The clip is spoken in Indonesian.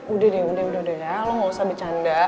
udah deh udah udah lu gausah bercanda